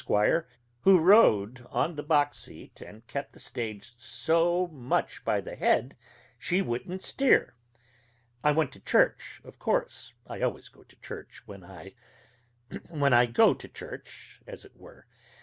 who rode on the box seat and kept the stage so much by the head she wouldn't steer. I went to church, of course, I always go to church when I when I go to church as it were.